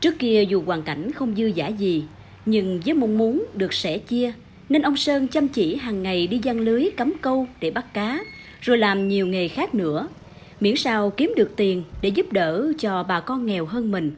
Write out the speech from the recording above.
trước kia dù hoàn cảnh không dư giã gì nhưng với mong muốn được sẻ chia nên ông sơn chăm chỉ hàng ngày đi gian lưới cắm câu để bắt cá rồi làm nhiều nghề khác nữa miễn sao kiếm được tiền để giúp đỡ cho bà con nghèo hơn mình